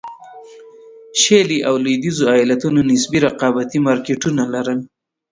شلي او لوېدیځو ایالتونو نسبي رقابتي مارکېټونه لرل.